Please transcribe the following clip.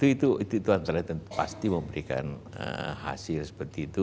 itu antara pasti memberikan hasil seperti itu